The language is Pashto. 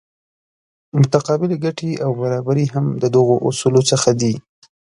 متقابلې ګټې او برابري هم د دغو اصولو څخه دي.